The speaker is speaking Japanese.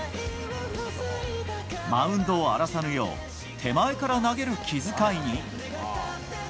マウンドを荒らさぬよう手前から投げる気遣いに。